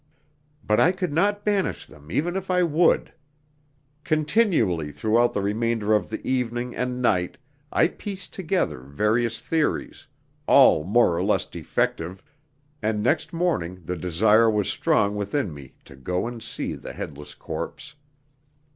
But I could not banish them even if I would. Continually throughout the remainder of the evening and night I pieced together various theories, all more or less defective, and next morning the desire was strong within me to go and see the headless corpse.